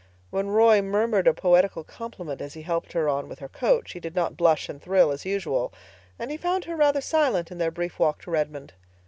When Roy murmured a poetical compliment as he helped her on with her coat, she did not blush and thrill as usual; and he found her rather silent in their brief walk to Redmond.